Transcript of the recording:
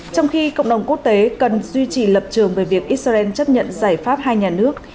trong khi cộng đồng quốc tế cần duy trì lập trường về việc israel chấp nhận giải pháp hai nhà nước